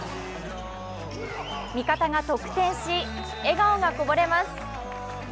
味方が得点し、笑顔がこぼれます。